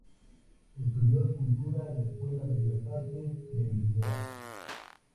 Estudió escultura en la Escuela de Bellas Artes de Lisboa.